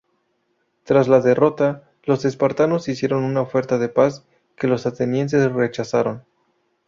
Tras la derrota, los espartanos hicieron una oferta de paz, que los atenienses rechazaron.